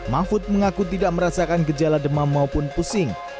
mahfud mengaku tidak merasakan gejala demam maupun pusing